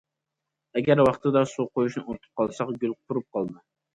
ئەگەر ۋاقتىدا سۇ قۇيۇشنى ئۇنتۇپ قالساق، گۈل قۇرۇپ قالىدۇ.